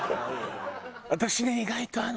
私ね意外とあの。